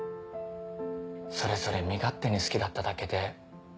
それぞれ身勝手に好きだっただけで。